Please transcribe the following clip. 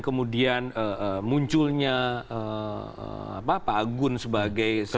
kemudian munculnya pak agun sebagai seorang